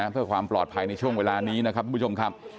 เพื่อความปลอดภัยในช่วงเวลานี้นะครับทุกผู้ชมครับ